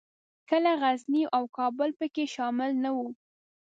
کله غزني او کابل پکښې شامل نه وو.